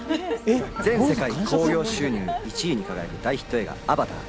全世界興行収入１位に輝く大ヒット映画『アバター』。